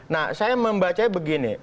nah saya membaca begini